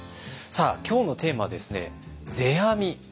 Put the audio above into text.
さあ今日のテーマはですね「世阿弥」。